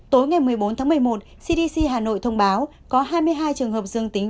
tối ngày một mươi bốn tháng một mươi một cdc hà nội thông báo có hai mươi hai trường hợp dương tính